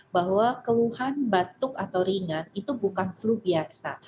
bahwa keluhan batuk atau ringan itu bukan flu biasa